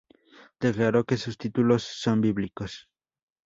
Declaró que sus títulos son "bíblicos".